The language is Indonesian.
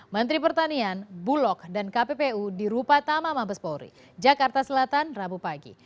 menteri pertanian bulog dan kppu di rupa tama mabes polri jakarta selatan rabu pagi